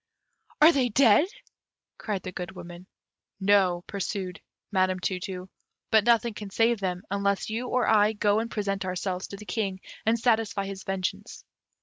"Are they dead?" cried the Good Woman. "No," pursued Madame Tu tu; "but nothing can save them, unless you or I go and present ourselves to the King, and satisfy his vengeance.